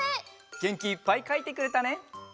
げんきいっぱいかいてくれたね。